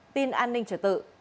tin an ninh trở tự